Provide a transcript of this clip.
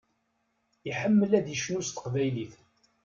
Iḥemmel ad icnu s teqbaylit.